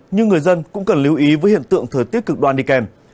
nhưng người dân cũng cần lưu ý với hiện tượng thời tiết cực đoan đi kèm